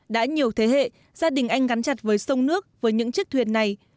đã nhiều thế hệ gia đình anh gắn chặt với sông nước với những chiếc thuyền này